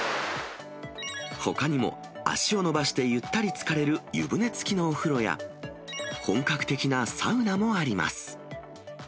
ほかにも、足を伸ばしてゆったりつかれる湯船付きのお風呂や、本格的なサウナもあります。